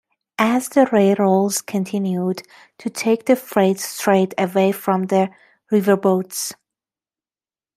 As the railroads continued to take freight trade away from the riverboats.